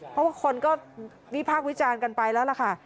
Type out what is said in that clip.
เพราะว่าคนก็วิพากษ์วิจารณ์กันไปแล้วล่ะค่ะ